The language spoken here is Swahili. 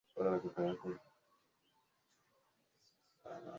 je tumejaribu kidogo kwa sababu